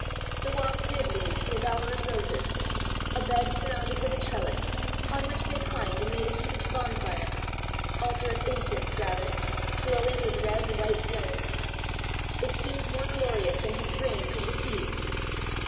The walk did lead to a bower of roses a bed surrounded with a trellis, on which they climbed and made a huge bonfire altar of incense rather, glowing with red and white flame. It seemed more glorious than his brain could receive.